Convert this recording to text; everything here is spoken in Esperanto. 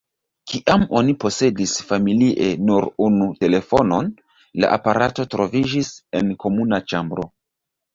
Kiam oni posedis familie nur unu telefonon, la aparato troviĝis en komuna ĉambro.